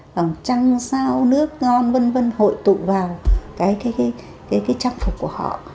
bằng trăng sao nước ngon vân vân hội tụ vào cái cái cái cái trang phục của họ